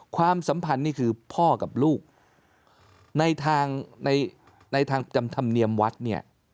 ความสัมพันธ์นี่คือพ่อกับลูกในทางในทางจำธรรมเนียมวัดเนี่ย